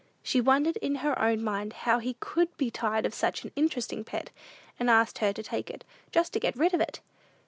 She wondered in her own mind how he could be tired of such an interesting pet, and asked her to take it, just to get rid of it!